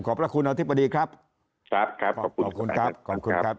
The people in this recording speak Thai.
ขอบคุณคุณอาทิบดีครับครับครับขอบคุณครับขอบคุณครับ